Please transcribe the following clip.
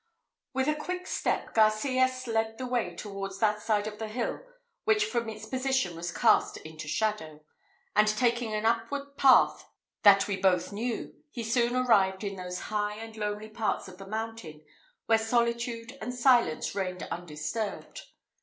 With a quick step Garcias led the way towards that side of the hill which from its position was cast into shadow, and taking an upward path, that we both knew, he soon arrived in those high and lonely parts of the mountain, where solitude and silence reigned undisturbed.